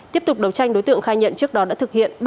tiếp tục đấu tranh đối tượng khai nhận trước đó đã thực hiện